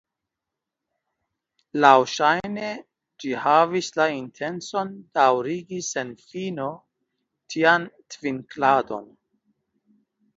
Laŭŝajne ĝi havis la intencon daŭrigi sen fino tian tvinkladon.